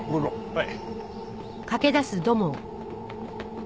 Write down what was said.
はい。